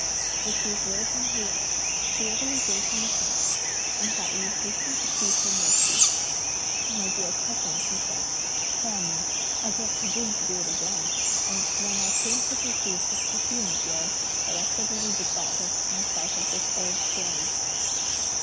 With these words on her lips, she readily gave him a pinch, and Pao yü hastened to plead for mercy. "My dear cousin," he said, "spare me; I won't presume to do it again; and it's when I came to perceive this perfume of yours, that I suddenly bethought myself of this old story."